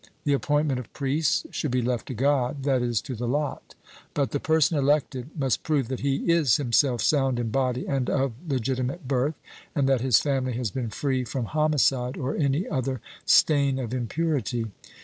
The appointment of priests should be left to God, that is, to the lot; but the person elected must prove that he is himself sound in body and of legitimate birth, and that his family has been free from homicide or any other stain of impurity.